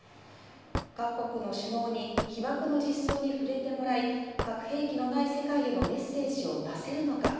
各国の首脳に被爆の実相に触れてもらい核兵器のない世界へのメッセージを出せるのか。